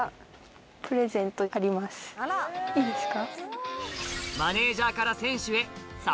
いいですか？